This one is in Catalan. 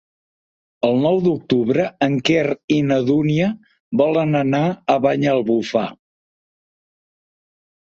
El nou d'octubre en Quer i na Dúnia volen anar a Banyalbufar.